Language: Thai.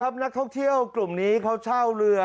นักท่องเที่ยวกลุ่มนี้เขาเช่าเรือ